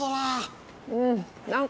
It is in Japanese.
うん。